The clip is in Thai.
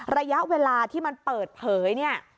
ระยะเวลาที่มันเปิดเผย